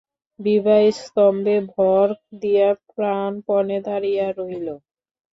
বিভা স্তম্ভে ভর দিয়া প্রাণপণে দাঁড়াইয়া রহিল।